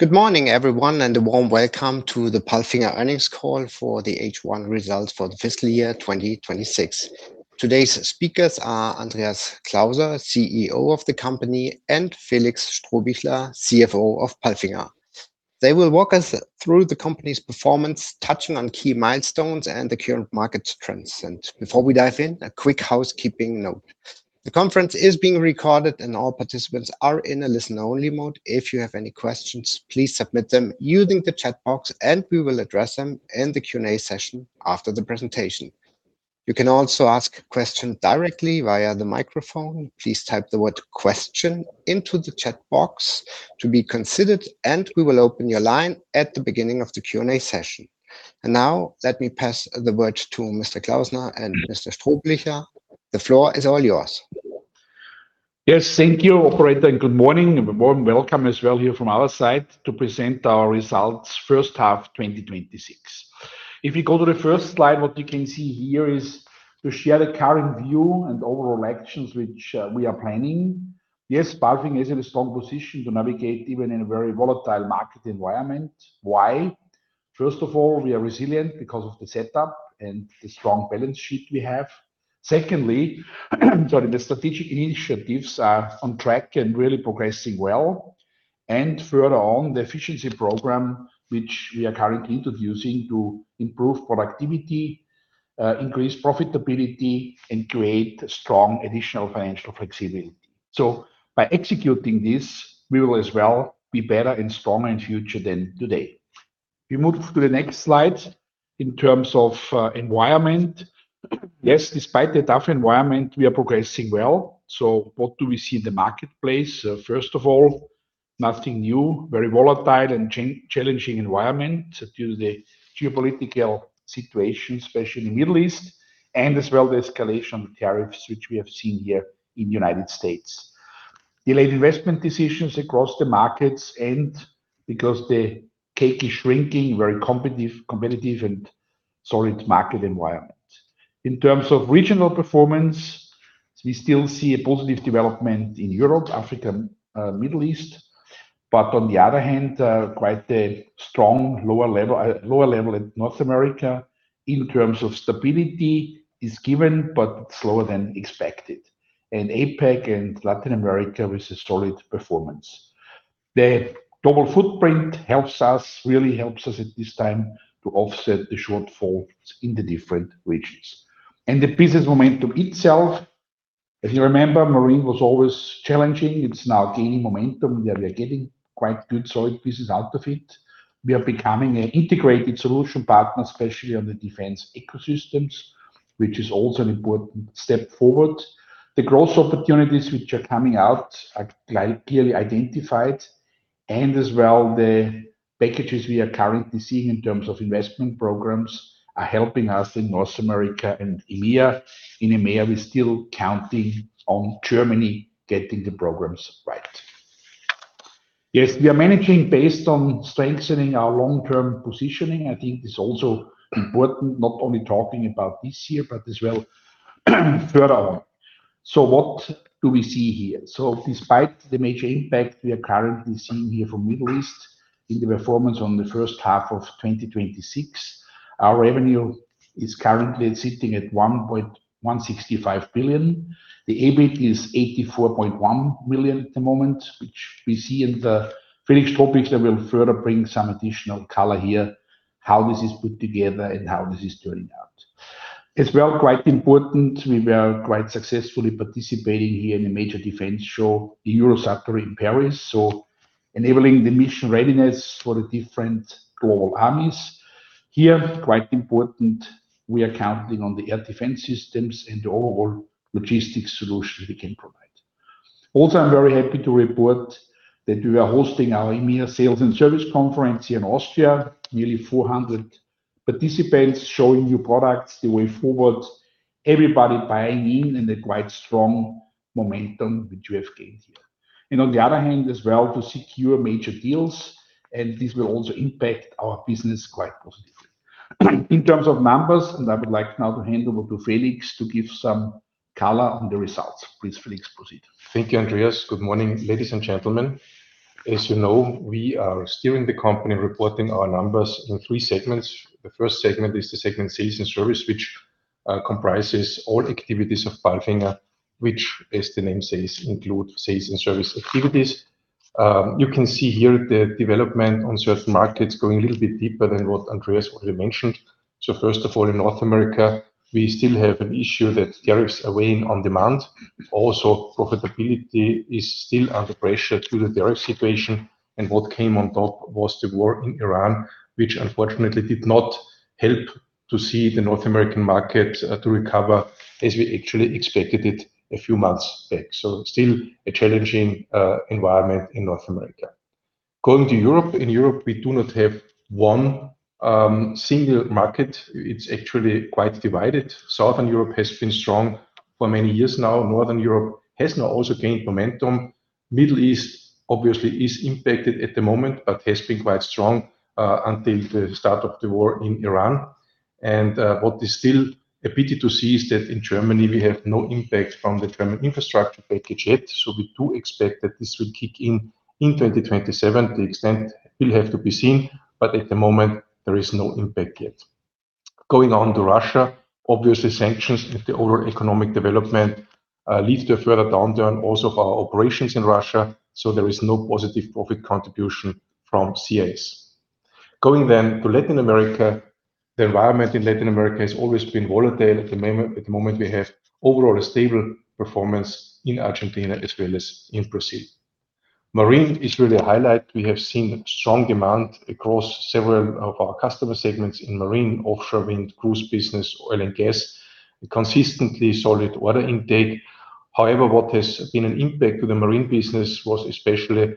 Good morning, everyone, and a warm welcome to the PALFINGER earnings call for the H1 results for the fiscal year 2026. Today's speakers are Andreas Klauser, CEO of the company, and Felix Strohbichler, CFO of PALFINGER. They will walk us through the company's performance, touching on key milestones and the current market trends. Before we dive in, a quick housekeeping note. The conference is being recorded and all participants are in a listen-only mode. If you have any questions, please submit them using the chat box and we will address them in the Q&A session after the presentation. You can also ask a question directly via the microphone. Please type the word "question" into the chat box to be considered, and we will open your line at the beginning of the Q&A session. Now let me pass the word to Mr. Klauser and Mr. Strohbichler. The floor is all yours. Yes. Thank you, operator. Good morning, and a warm welcome as well here from our side to present our results first half 2026. If you go to the first slide, what you can see here is to share the current view and overall actions which we are planning. Yes, PALFINGER is in a strong position to navigate even in a very volatile market environment. Why? First of all, we are resilient because of the setup and the strong balance sheet we have. Secondly, sorry, the strategic initiatives are on track and really progressing well, and further on, the efficiency program, which we are currently introducing to improve productivity, increase profitability, and create strong additional financial flexibility. By executing this, we will as well be better and stronger in future than today. We move to the next slide. In terms of environment, yes, despite the tough environment, we are progressing well. What do we see in the marketplace? First of all, nothing new. Very volatile and challenging environment due to the geopolitical situation, especially in the Middle East, and as well the escalation of tariffs, which we have seen here in U.S. Delayed investment decisions across the markets, and because the cake is shrinking, very competitive and solid market environment. In terms of regional performance, we still see a positive development in Europe, Africa, Middle East. On the other hand, quite a strong lower level in North America in terms of stability is given, but slower than expected. APAC and Latin America with a solid performance. The global footprint helps us at this time to offset the shortfalls in the different regions. The business momentum itself, if you remember, marine was always challenging. It is now gaining momentum where we are getting quite good solid business out of it. We are becoming an integrated solution partner, especially on the defense ecosystems, which is also an important step forward. The growth opportunities which are coming out are clearly identified, and as well the packages we are currently seeing in terms of investment programs are helping us in North America and EMEA. In EMEA, we are still counting on Germany getting the programs right. We are managing based on strengthening our long-term positioning. I think it is also important not only talking about this year, but as well further on. What do we see here? Despite the major impact we are currently seeing here from Middle East in the performance on the first half of 2026, our revenue is currently sitting at 1,165 billion. The EBIT is 84.1 million at the moment. Felix Strohbichler will further bring some additional color here, how this is put together and how this is turning out. Quite important, we were quite successfully participating here in a major defense show, Eurosatory in Paris. Enabling the mission readiness for the different global armies. Quite important, we are counting on the air defense systems and the overall logistics solution we can provide. I am very happy to report that we are hosting our EMEA sales and service conference here in Austria. Nearly 400 participants showing new products, the way forward, everybody buying in, and a quite strong momentum which we have gained here. On the other hand as well, to secure major deals, this will also impact our business quite positively. In terms of numbers, I would like now to hand over to Felix to give some color on the results. Please, Felix, proceed. Thank you, Andreas. Good morning, ladies and gentlemen. As you know, we are steering the company, reporting our numbers in three segments. The first segment is the segment sales and service, which comprises all activities of PALFINGER, which, as the name says, include sales and service activities. You can see here the development on certain markets going a little bit deeper than what Andreas already mentioned. First of all, in North America, we still have an issue that tariffs are weighing on demand. Profitability is still under pressure due to the tariff situation. What came on top was the war in Iran, which unfortunately did not help to see the North American market to recover as we actually expected it a few months back. Still a challenging environment in North America. Going to Europe, in Europe, we do not have one single market. It's actually quite divided. Southern Europe has been strong for many years now. Northern Europe has now also gained momentum. Middle East obviously is impacted at the moment, but has been quite strong until the start of the war in Iran. What is still a pity to see is that in Germany we have no impact from the German infrastructure package yet. We do expect that this will kick in in 2027. The extent will have to be seen, but at the moment there is no impact yet. Going on to Russia, obviously sanctions and the overall economic development leads to a further downturn also of our operations in Russia, so there is no positive profit contribution from CIS. Going then to Latin America, the environment in Latin America has always been volatile. At the moment, we have overall a stable performance in Argentina as well as in Brazil. Marine is really a highlight. We have seen strong demand across several of our customer segments in marine, offshore wind, cruise business, oil and gas, and consistently solid order intake. However, what has been an impact to the marine business was especially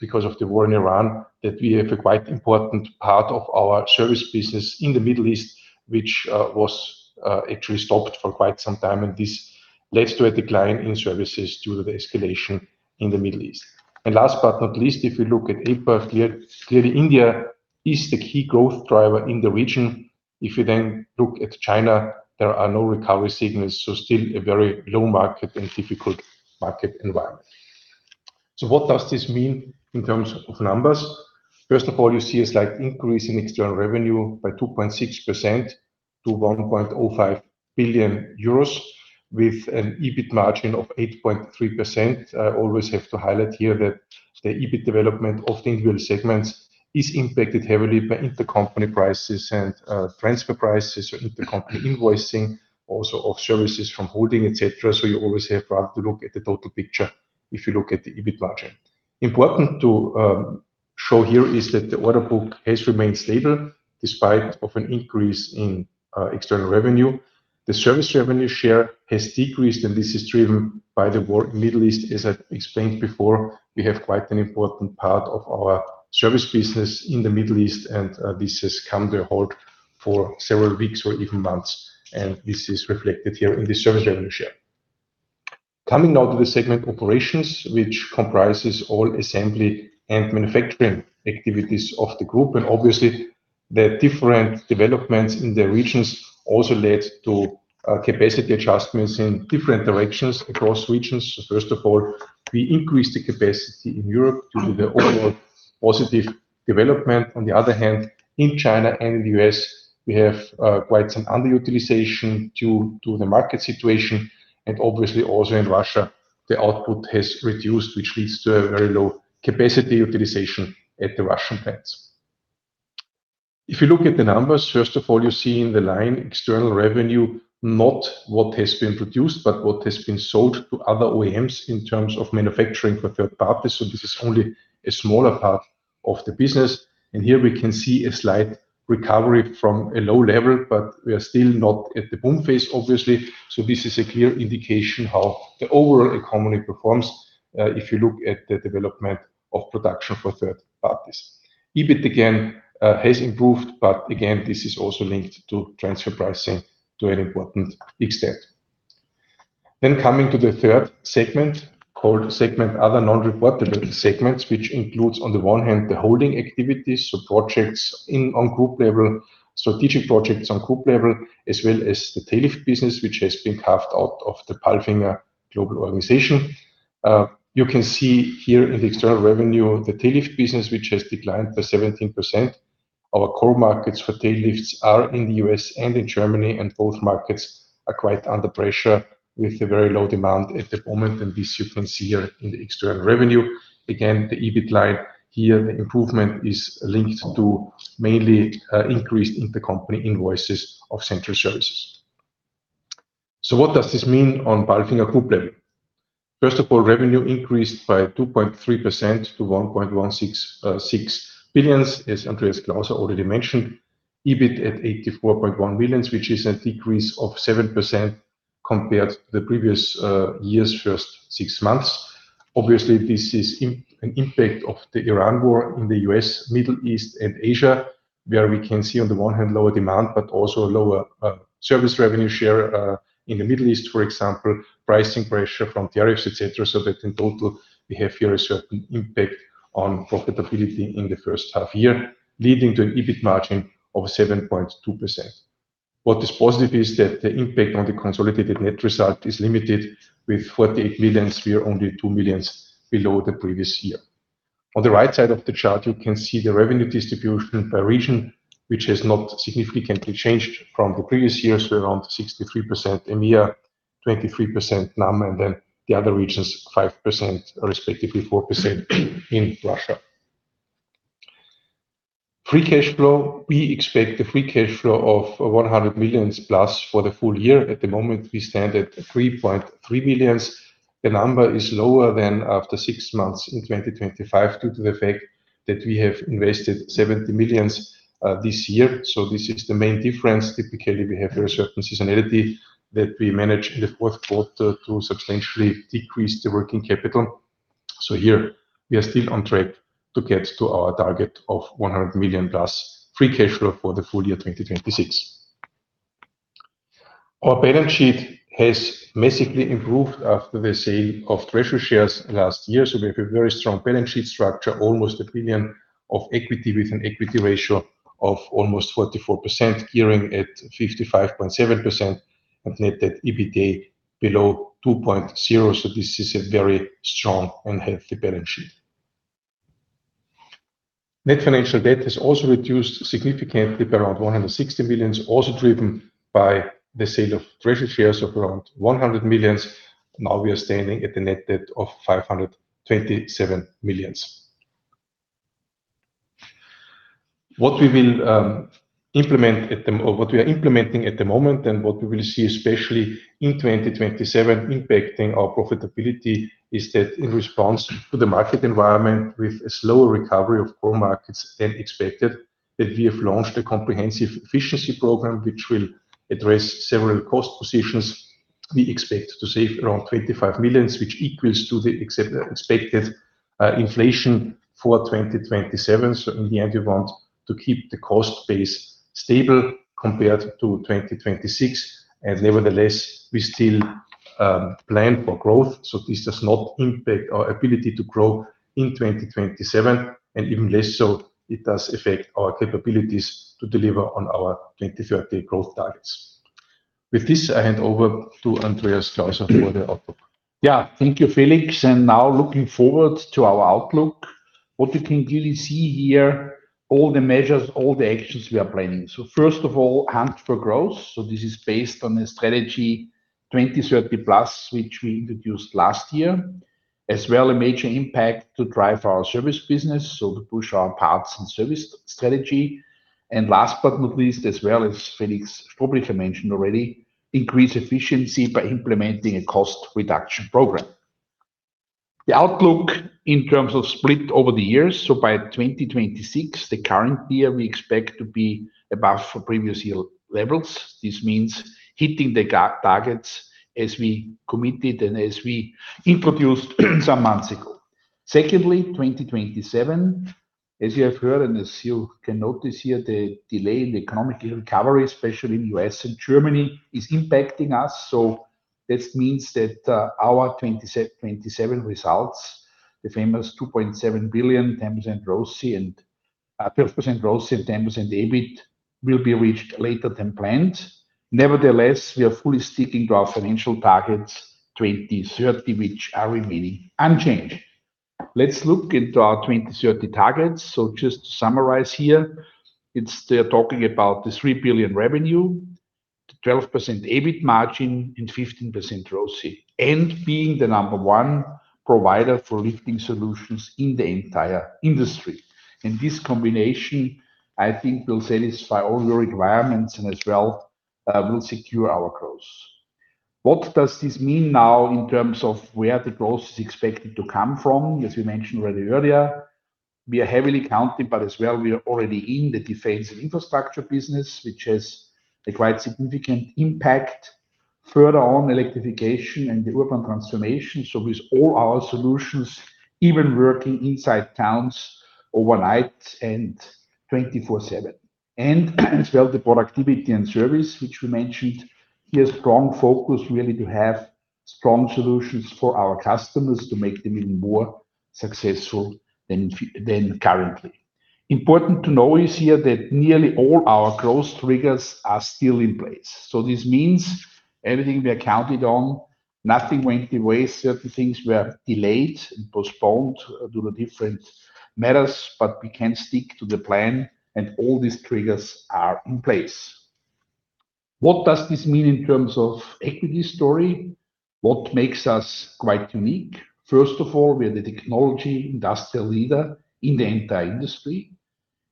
because of the war in Iran, that we have a quite important part of our service business in the Middle East, which was actually stopped for quite some time, and this led to a decline in services due to the escalation in the Middle East. Last but not least, if you look at APAC, clearly India is the key growth driver in the region. If you look at China, there are no recovery signals, so still a very low market and difficult market environment. What does this mean in terms of numbers? First of all, you see a slight increase in external revenue by 2.6% to 1.05 billion euros, with an EBIT margin of 8.3%. I always have to highlight here that the EBIT development of the individual segments is impacted heavily by intercompany prices and transfer prices or intercompany invoicing, also of services from holding, et cetera. You always have to look at the total picture, if you look at the EBIT margin. Important to show here is that the order book has remained stable despite of an increase in external revenue. The service revenue share has decreased, this is driven by the war in Middle East. As I explained before, we have quite an important part of our service business in the Middle East, this has come to a halt for several weeks or even months, this is reflected here in the service revenue share. Coming now to the segment operations, which comprises all assembly and manufacturing activities of the group. Obviously, the different developments in the regions also led to capacity adjustments in different directions across regions. First of all, we increased the capacity in Europe due to the overall positive development. On the other hand, in China and the U.S., we have quite some underutilization due to the market situation. Obviously also in Russia, the output has reduced, which leads to a very low capacity utilization at the Russian plants. If you look at the numbers, first of all, you see in the line external revenue, not what has been produced, but what has been sold to other OEMs in terms of manufacturing for third parties. This is only a smaller part of the business, here we can see a slight recovery from a low level, we are still not at the boom phase, obviously. This is a clear indication how the overall economy performs, if you look at the development of production for third parties. EBIT, again, has improved, again, this is also linked to transfer prices to an important extent. Coming to the third segment, called segment other non-reportable segments, which includes, on the one hand, the holding activities, projects on group level, strategic projects on group level, as well as the Tail Lift business, which has been carved out of the PALFINGER Global Organization. You can see here in the external revenue, the Tail Lift business, which has declined by 17%. Our core markets for Tail Lifts are in the U.S. and in Germany, both markets are quite under pressure with a very low demand at the moment. This you can see here in the external revenue. Again, the EBIT line here, the improvement is linked to mainly increase intercompany invoices of central services. What does this mean on PALFINGER group level? First of all, revenue increased by 2.3% to 1.166 billion, as Andreas Klauser already mentioned. EBIT at 84.1 million, which is a decrease of 7% compared to the previous year's first six months. Obviously, this is an impact of the Iran war in the U.S., Middle East, and Asia, where we can see on the one hand, lower demand, but also a lower service revenue share, in the Middle East, for example, pricing pressure from tariffs, et cetera. That in total, we have here a certain impact on profitability in the first half year, leading to an EBIT margin of 7.2%. What is positive is that the impact on the consolidated net result is limited with 48 million. We are only 2 million below the previous year. On the right side of the chart, you can see the revenue distribution by region, which has not significantly changed from the previous years. We're around 63% EMEA, 23% NAM, the other regions, 5%, respectively 4% in Russia. Free cash flow. We expect a free cash flow of 100 million+ for the full year. At the moment, we stand at 3.3 million. The number is lower than after six months in 2025 due to the fact that we have invested 70 million this year. This is the main difference. Typically, we have a certain seasonality that we manage in the fourth quarter to substantially decrease the working capital. Here we are still on track to get to our target of 100 million+ free cash flow for the full year 2026. Our balance sheet has massively improved after the sale of treasury shares last year. We have a very strong balance sheet structure, almost 1 billion of equity with an equity ratio of almost 44%, gearing at 55.7%, and net debt EBITDA below 2.0. This is a very strong and healthy balance sheet. Net financial debt has also reduced significantly by around 160 million, also driven by the sale of treasury shares of around 100 million. Now we are standing at a net debt of 527 million. What we are implementing at the moment, and what we will see, especially in 2027, impacting our profitability, is that in response to the market environment with a slower recovery of core markets than expected, that we have launched a comprehensive efficiency program which will address several cost positions. We expect to save around 25 million, which equals to the expected inflation for 2027. In the end, we want to keep the cost base stable compared to 2026, and nevertheless, we still plan for growth. This does not impact our ability to grow in 2027, and even less so it does affect our capabilities to deliver on our 2030 growth targets. With this, I hand over to Andreas Klauser for the outlook. Thank you, Felix. Now looking forward to our outlook. What you can clearly see here, all the measures, all the actions we are planning. First of all, hunt for growth. This is based on the Strategy 2030+, which we introduced last year, as well, a major impact to drive our service business, so to push our parts and service strategy. And last but not least, as well, as Felix Strohbichler mentioned already, increase efficiency by implementing a cost reduction program. The outlook in terms of split over the years. By 2026, the current year, we expect to be above for previous year levels. This means hitting the targets as we committed and as we introduced some months ago. Secondly, 2027, as you have heard, and as you can notice here, the delay in the economic recovery, especially in U.S. and Germany, is impacting us. This means that our 2027 results, the famous EUR 2.7 billion 12% ROCE and 10% EBIT, will be reached later than planned. Nevertheless, we are fully sticking to our financial targets 2030, which are remaining unchanged. Let's look into our 2030 targets. Just to summarize here, it's still talking about the 3 billion revenue, the 12% EBIT margin and 15% ROCE, and being the number one provider for lifting solutions in the entire industry. And this combination, I think, will satisfy all your requirements and as well, will secure our growth. What does this mean now in terms of where the growth is expected to come from? As we mentioned already earlier, we are heavily counting, but as well, we are already in the defensive infrastructure business, which has a quite significant impact further on electrification and the urban transformation. With all our solutions, even working inside towns overnight and 24/7. As well, the productivity and service, which we mentioned, is strong focus, really to have strong solutions for our customers to make them even more successful than currently. Important to know is here that nearly all our growth triggers are still in place. This means everything we are counted on, nothing went to waste. Certain things were delayed and postponed due to different matters, but we can stick to the plan and all these triggers are in place. What does this mean in terms of equity story? What makes us quite unique? First of all, we are the technology industrial leader in the entire industry.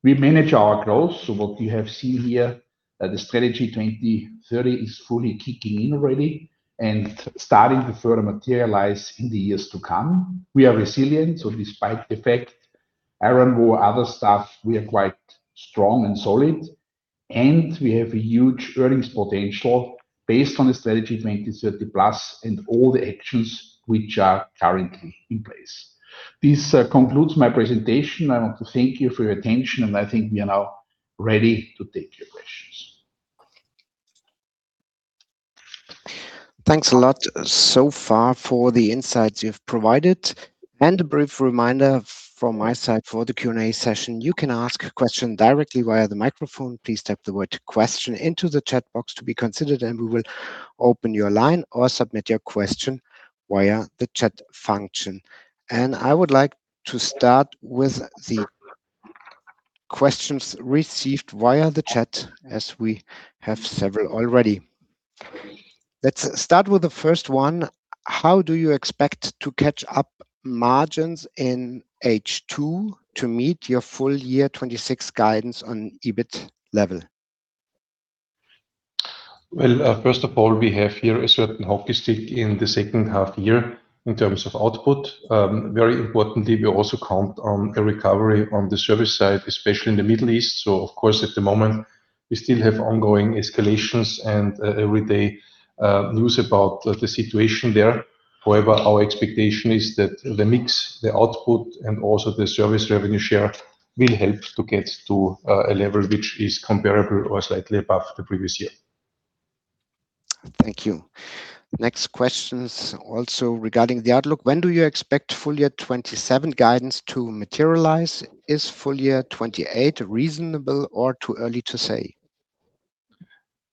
We manage our growth. What you have seen here, the Strategy 2030+ is fully kicking in already and starting to further materialize in the years to come. We are resilient. Despite the fact, Iran war, other stuff, we are quite strong and solid, and we have a huge earnings potential based on the Strategy 2030+ and all the actions which are currently in place. This concludes my presentation. I want to thank you for your attention, and I think we are now ready to take your questions. Thanks a lot so far for the insights you've provided. A brief reminder from my side for the Q&A session, you can ask a question directly via the microphone. Please type the word "question" into the chat box to be considered, and we will open your line or submit your question via the chat function. I would like to start with the questions received via the chat as we have several already. Let's start with the first one. How do you expect to catch up margins in H2 to meet your full year 2026 guidance on EBIT level? Well, first of all, we have here a certain hockey stick in the second half year in terms of output. Very importantly, we also count on a recovery on the service side, especially in the Middle East. Of course, at the moment, we still have ongoing escalations and everyday news about the situation there. However, our expectation is that the mix, the output, and also the service revenue share will help to get to a level which is comparable or slightly above the previous year. Thank you. Next question is also regarding the outlook. When do you expect full year 2027 guidance to materialize? Is full year 2028 reasonable or too early to say?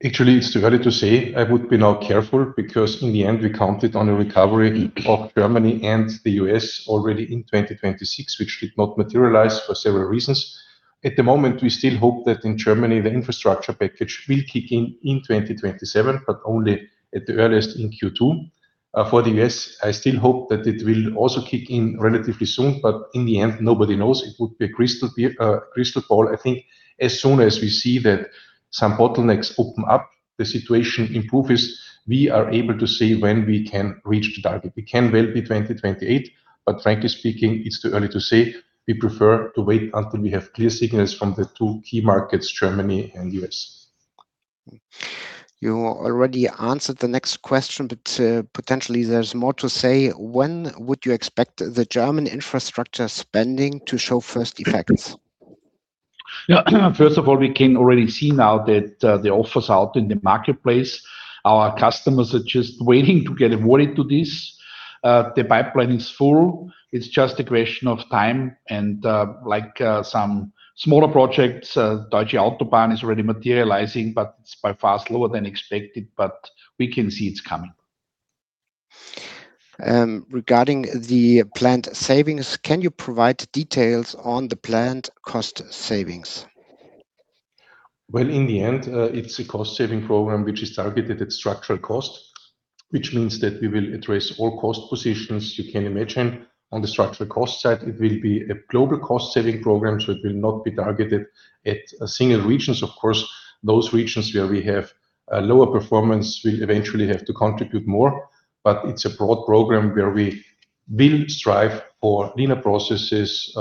Actually, it's too early to say. I would be now careful because in the end, we counted on a recovery of Germany and the U.S. already in 2026, which did not materialize for several reasons. At the moment, we still hope that in Germany, the infrastructure package will kick in in 2027, but only at the earliest in Q2. For the U.S., I still hope that it will also kick in relatively soon, but in the end, nobody knows. It would be a crystal ball. I think as soon as we see that some bottlenecks open up, the situation improves, we are able to say when we can reach the target. It can well be 2028, but frankly speaking, it's too early to say. We prefer to wait until we have clear signals from the two key markets, Germany and U.S. You already answered the next question, but potentially there's more to say. When would you expect the German infrastructure spending to show first effects? First of all, we can already see now that the offers out in the marketplace, our customers are just waiting to get awarded to this. The pipeline is full. It's just a question of time and like some smaller projects, Deutsche Autobahn is already materializing, but it's by far slower than expected. We can see it's coming. Regarding the planned savings, can you provide details on the planned cost savings? Well, in the end, it's a cost-saving program which is targeted at structural cost, which means that we will address all cost positions you can imagine. On the structural cost side, it will be a global cost-saving program, so it will not be targeted at single regions. Of course, those regions where we have a lower performance will eventually have to contribute more. It's a broad program where we will strive for leaner processes,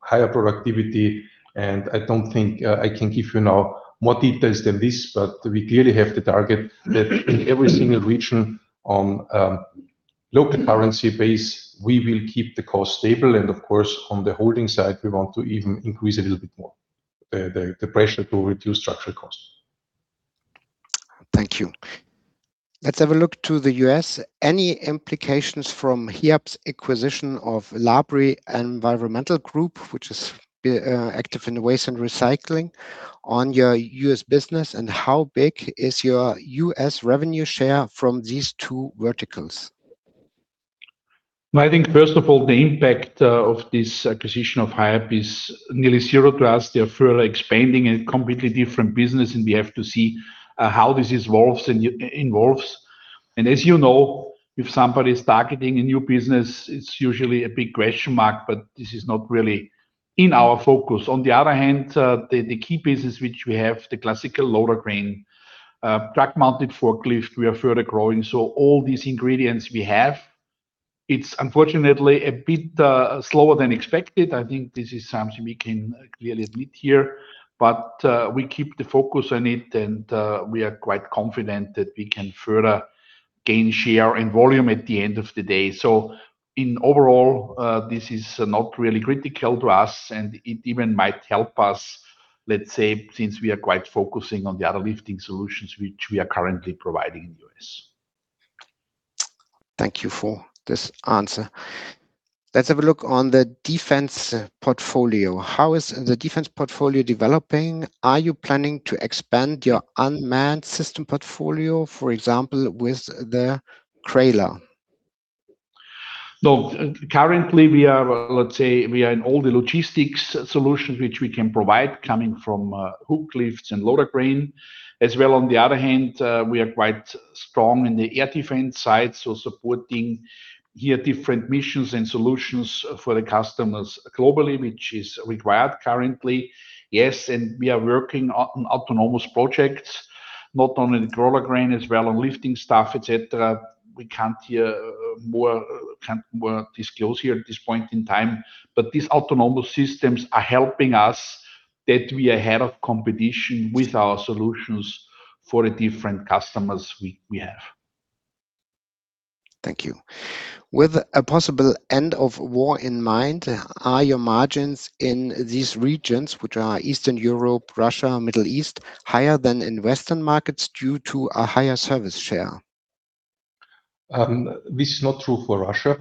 higher productivity, and I don't think I can give you now more details than this. We clearly have the target that in every single region on local currency base, we will keep the cost stable. Of course, on the holding side, we want to even increase a little bit more the pressure to reduce structural costs. Thank you. Let's have a look to the U.S. Any implications from Hiab's acquisition of Labrie Environmental Group, which is active in waste and recycling, on your U.S. business, and how big is your U.S. revenue share from these two verticals? I think first of all, the impact of this acquisition of Hiab is nearly zero to us. They are further expanding a completely different business, and we have to see how this evolves. As you know, if somebody is targeting a new business, it's usually a big question mark, but this is not really in our focus. On the other hand, the key business which we have, the classical loader cranes, truck-mounted forklifts, we are further growing. All these ingredients we have, it's unfortunately a bit slower than expected. I think this is something we can clearly admit here, but we keep the focus on it, and we are quite confident that we can further gain share and volume at the end of the day. In overall, this is not really critical to us, and it even might help us, let's say, since we are quite focusing on the other lifting solutions which we are currently providing in the U.S. Thank you for this answer. Let's have a look on the defense portfolio. How is the defense portfolio developing? Are you planning to expand your unmanned system portfolio, for example, with the CRAYLER? No. Currently, let's say we are in all the logistics solutions which we can provide coming from hooklifts and loader crane. As well, on the other hand, we are quite strong in the air defense side, so supporting here different missions and solutions for the customers globally, which is required currently. Yes, we are working on autonomous projects, not only in the crawler crane, as well on lifting stuff, et cetera. We can't disclose here at this point in time, but these autonomous systems are helping us that we are ahead of competition with our solutions for the different customers we have. Thank you. With a possible end of war in mind, are your margins in these regions, which are Eastern Europe, Russia, Middle East, higher than in Western markets due to a higher service share? This is not true for Russia,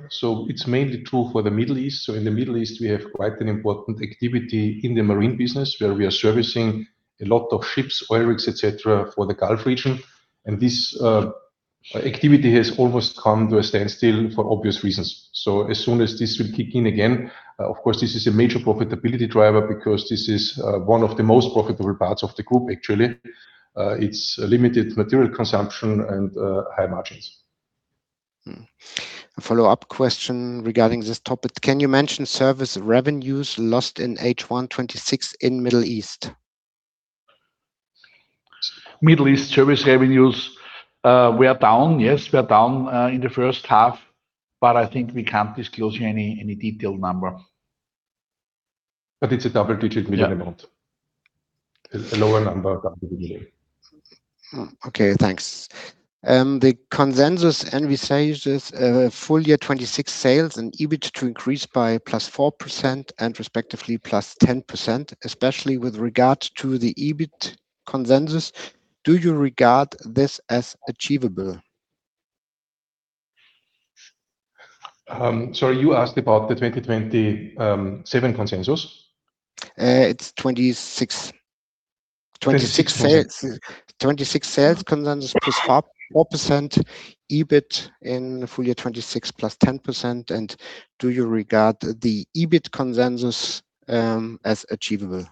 it's mainly true for the Middle East. In the Middle East, we have quite an important activity in the marine business, where we are servicing a lot of ships, oil rigs, et cetera, for the Gulf region. This activity has almost come to a standstill for obvious reasons. As soon as this will kick in again, of course, this is a major profitability driver because this is one of the most profitable parts of the group, actually. It's limited material consumption and high margins. A follow-up question regarding this topic. Can you mention service revenues lost in H1 2026 in Middle East? Middle East service revenues, we are down. Yes, we are down in the first half, I think we can't disclose here any detailed number. It's a double-digit million amount. Yeah. A lower number than the million. Okay, thanks. The consensus envisages full year 2026 sales and EBIT to increase by +4% and respectively +10%, especially with regard to the EBIT consensus. Do you regard this as achievable? Sorry, you asked about the 2027 consensus? It's 2026. 2026 sales consensus +4%, EBIT in full year 2026 +10%, Do you regard the EBIT consensus as achievable?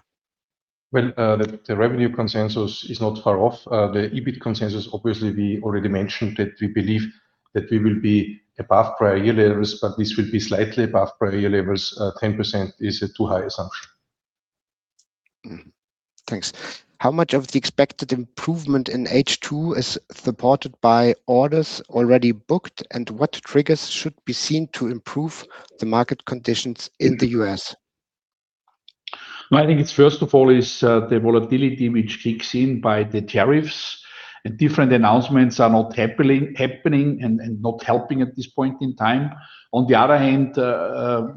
Well, the revenue consensus is not far off. The EBIT consensus, obviously, we already mentioned that we believe that we will be above prior year levels, but this will be slightly above prior year levels. 10% is a too high assumption. Thanks. How much of the expected improvement in H2 is supported by orders already booked, and what triggers should be seen to improve the market conditions in the U.S.? I think it's first of all is the volatility which kicks in by the tariffs. Different announcements are not happening and not helping at this point in time. On the other hand,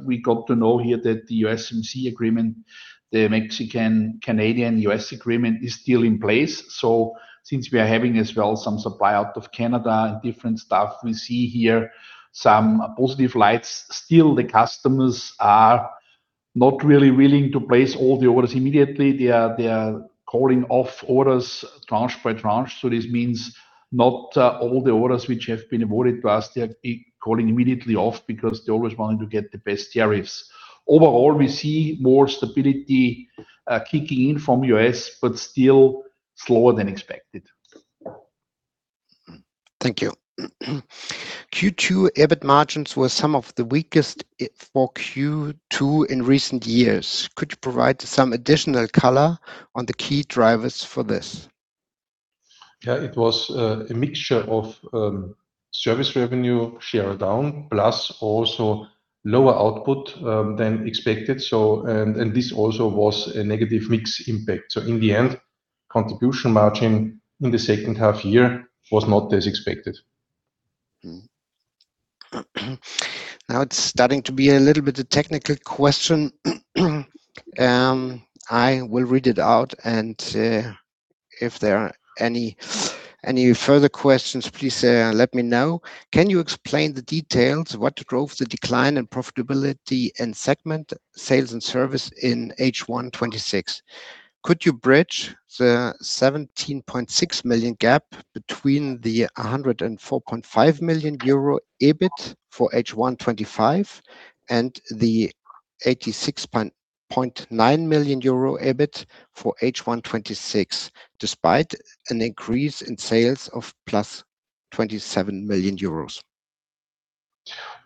we got to know here that the USMCA agreement, the Mexican-Canadian-U.S. Agreement, is still in place. Since we are having as well some supply out of Canada, different stuff, we see here some positive lights. Still, the customers are not really willing to place all the orders immediately. They are calling off orders tranche by tranche. This means not all the orders which have been awarded to us, they have been calling immediately off because they're always wanting to get the best tariffs. Overall, we see more stability kicking in from U.S., but still slower than expected. Thank you. Q2 EBIT margins were some of the weakest for Q2 in recent years. Could you provide some additional color on the key drivers for this? Yeah. It was a mixture of service revenue, share down, plus also lower output than expected. This also was a negative mix impact. In the end, contribution margin in the second half year was not as expected. It's starting to be a little bit a technical question. I will read it out and if there are any further questions, please let me know. Can you explain the details? What drove the decline in profitability and segment sales and service in H1 2026? Could you bridge the 17.6 million gap between the 104.5 million euro EBIT for H1 2025 and the 86.9 million euro EBIT for H1 2026, despite an increase in sales of +27 million euros?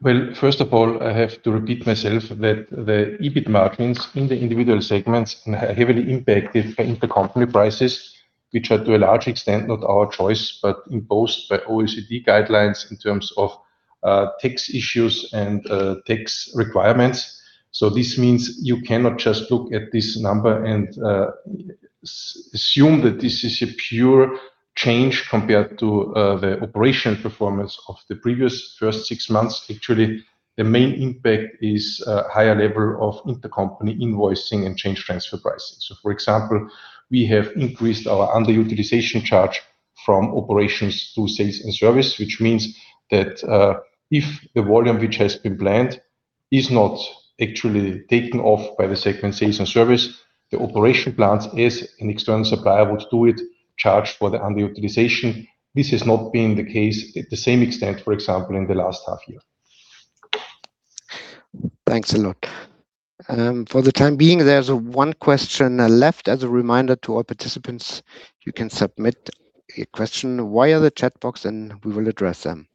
Well, first of all, I have to repeat myself that the EBIT margins in the individual segments are heavily impacted by intercompany prices, which are, to a large extent, not our choice, but imposed by OECD guidelines in terms of tax issues and tax requirements. This means you cannot just look at this number and assume that this is a pure change compared to the operation performance of the previous first six months. Actually, the main impact is a higher level of intercompany invoicing and change transfer prices. For example, we have increased our underutilization charge from operations to sales and service, which means that if the volume which has been planned is not actually taken off by the segment sales and service, the operation plant is an external supplier would do it, charged for the underutilization. This has not been the case at the same extent, for example, in the last half year. Thanks a lot. For the time being, there's one question left. As a reminder to all participants, you can submit a question via the chat box and we will address them.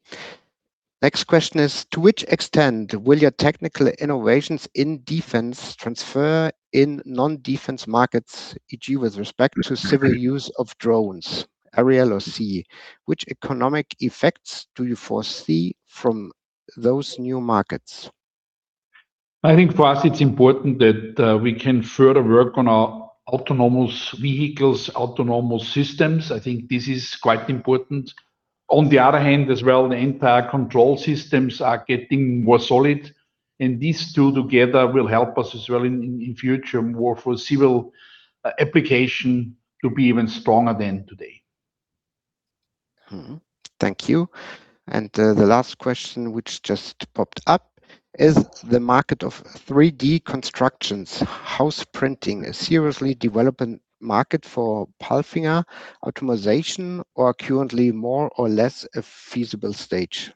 Next question is: to which extent will your technical innovations in defense transfer in non-defense markets, e.g., with respect to civil use of drones, aerial or sea? Which economic effects do you foresee from those new markets? I think for us it's important that we can further work on our autonomous vehicles, autonomous systems. I think this is quite important. On the other hand as well, the entire control systems are getting more solid, these two together will help us as well in future more for civil application to be even stronger than today. Mm-hmm. Thank you. The last question, which just popped up: is the market of 3D constructions, house printing, a seriously developing market for PALFINGER optimization, or currently more or less a feasible stage?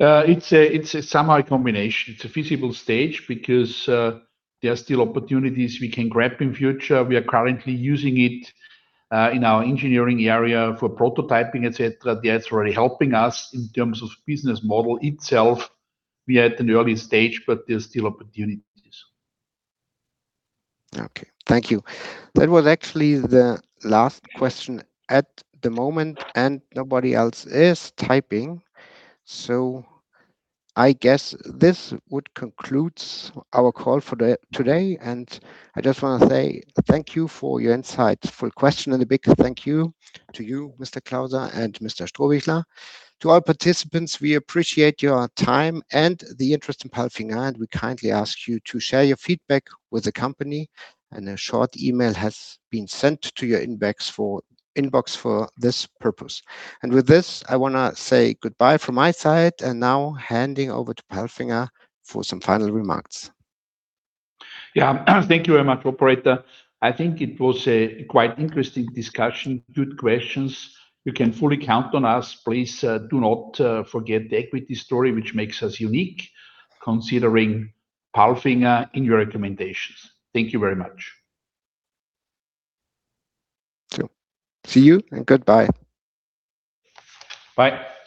It's a somewhat combination. It's a feasible stage because there are still opportunities we can grab in future. We are currently using it in our engineering area for prototyping, et cetera. That's already helping us. In terms of business model itself, we are at an early stage, but there's still opportunities. Okay. Thank you. That was actually the last question at the moment, and nobody else is typing. I guess this would conclude our call for today, and I just want to say thank you for your insightful question, and a big thank you to you, Mr. Klauser and Mr. Strohbichler. To our participants, we appreciate your time and the interest in PALFINGER, and we kindly ask you to share your feedback with the company, and a short email has been sent to your inbox for this purpose. With this, I want to say goodbye from my side, and now handing over to PALFINGER for some final remarks. Yeah. Thank you very much, operator. I think it was a quite interesting discussion, good questions. You can fully count on us. Please do not forget the equity story, which makes us unique, considering PALFINGER in your recommendations. Thank you very much. Sure. See you, and goodbye. Bye.